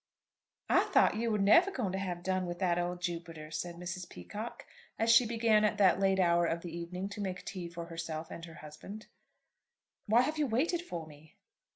"I THOUGHT you were never going to have done with that old Jupiter," said Mrs. Peacocke, as she began at that late hour of the evening to make tea for herself and her husband. "Why have you waited for me?"